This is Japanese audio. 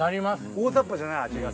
大ざっぱじゃない味が。